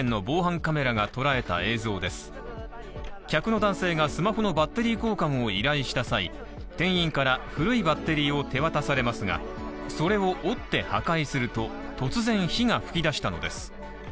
客の男性がスマホのバッテリー交換を依頼した際、店員から古いバッテリーを手渡されますが、それを折って破壊すると突然火が噴き出したのです。